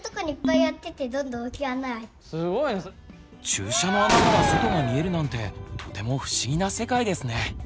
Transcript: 注射の穴から外が見えるなんてとても不思議な世界ですね。